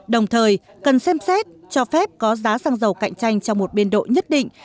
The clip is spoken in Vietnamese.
đồng thời cần xem xét cho phép có giá xăng dầu cạnh tranh trong một biên độ nhất định